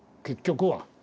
結局は。